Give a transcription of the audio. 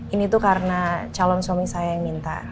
ini tuh karena calon suami saya yang minta